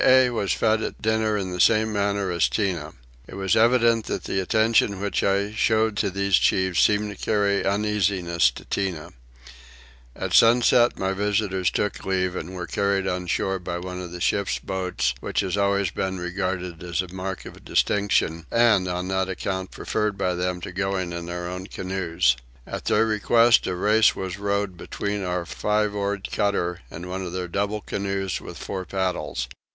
Otee was fed at dinner in the same manner as Tinah. It was evident that the attention which I showed to these chiefs seemed to give uneasiness to Tinah. At sunset my visitors took leave and were carried on shore by one of the ship's boats, which has always been regarded as a mark of distinction, and on that account preferred by them to going in their own canoes. At their request a race was rowed between our five oared cutter and one of their double canoes with four paddles.